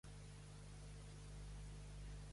Com col·labora amb Òmnium?